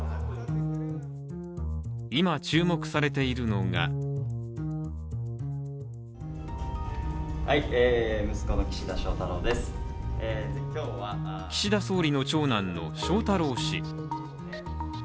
今、注目されているのが岸田総理の長男の翔太郎氏。